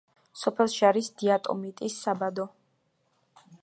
სოფელში არის დიატომიტის საბადო.